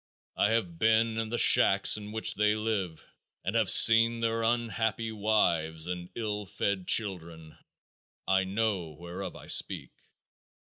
I have been in the shacks in which they live and have seen their unhappy wives and ill fed children. I know whereof I speak.